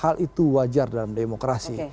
hal itu wajar dalam demokrasi